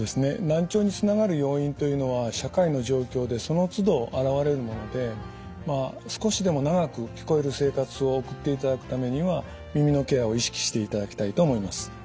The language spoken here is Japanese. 難聴につながる要因というのは社会の状況でそのつど現れるものでまあ少しでも長く聞こえる生活を送っていただくためには耳のケアを意識していただきたいと思います。